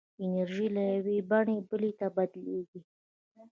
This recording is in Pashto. انرژي له یوې بڼې بلې ته بدلېږي.